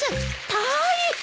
大変！